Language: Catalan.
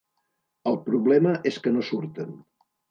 El problema és que no surten.